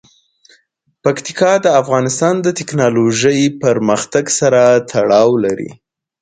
پکتیکا د افغانستان د تکنالوژۍ پرمختګ سره تړاو لري.